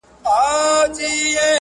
بې عقل جمال خوښوي، عاقل کمال.